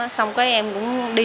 xong rồi em cũng đi